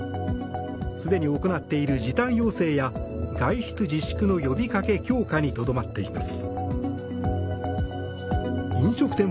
すでに行っている時短要請や外出自粛の呼びかけ強化にとどまっています。